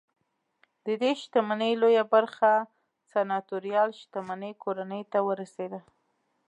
ددې شتمنۍ لویه برخه سناتوریال شتمنۍ کورنۍ ته ورسېده